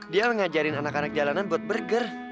dia mengajarin anak anak jalanan buat burger